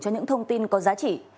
cho những thông tin có giá trị